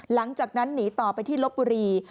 หลังจากนั้นหนีต่อไปที่ลบบุรี